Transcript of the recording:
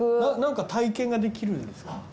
何か体験ができるんですか？